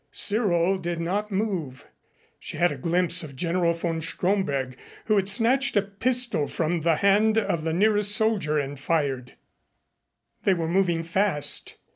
Cyril did not move. She had a glimpse of General von Stromberg, who had snatched a pistol from the hand of the nearest soldier and fired. They were moving fast.